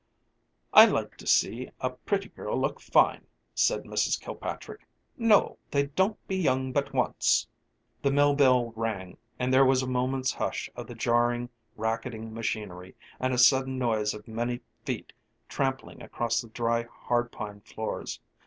"I like to see a pritty girl look fine," said Mrs. Kilpatrick. "No, they don't be young but once " The mill bell rang, and there was a moment's hush of the jarring, racketing machinery and a sudden noise of many feet trampling across the dry, hard pine floors.